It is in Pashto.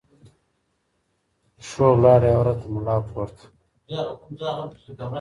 پشو ولاړه یوه ورځ د ملا کورته